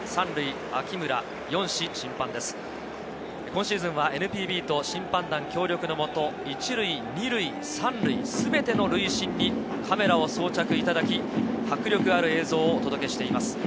今シーズンはＮＰＢと審判団協力のもと、１塁、２塁、３塁全ての塁審にカメラを装着いただき、迫力ある映像をお届けしています。